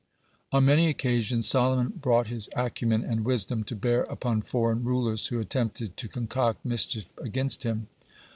(34) On many occasions, Solomon brought his acumen and wisdom to bear upon foreign rulers who attempted to concoct mischief against him.